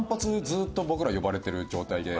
ずーっと僕ら呼ばれてる状態で。